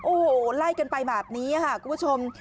โอ้โหไล่กันไปแบบนี้ค่ะคุณผู้ชม